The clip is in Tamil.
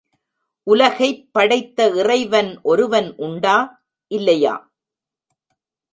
உலகைப் படைத்த இறைவன் ஒருவன் உண்டா, இல்லையா?